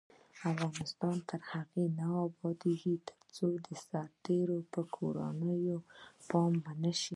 افغانستان تر هغو نه ابادیږي، ترڅو د سرتیرو پر کورنیو پام ونشي.